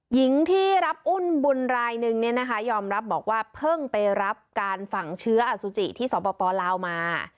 หญิงที่รับอุ้นบุญรายนึงเนี่ยนะคะยอมรับบอกว่าเพิ่งไปรับการฝังเชื้ออสุจิที่สปลาวมา